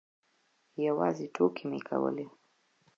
یوازې ټوکې مو کولې.